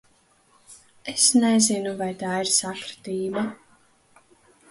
Es nezinu, vai tā ir sakritība.